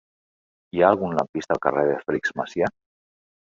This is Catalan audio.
Hi ha algun lampista al carrer de Fèlix Macià?